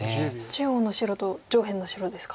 中央の白と上辺の白ですか。